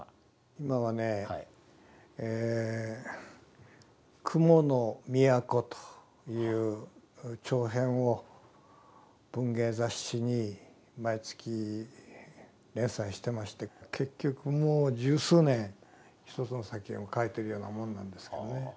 今はね「雲の都」という長編を文芸雑誌に毎月連載してまして結局もう十数年一つの作品を書いてるようなもんなんですけどね。